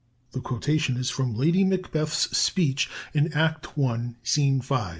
The quotation is from Lady Macbeth's speech in Act I., Scene V.